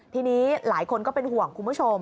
ทีนี้หลายคนก็เป็นห่วงคุณผู้ชม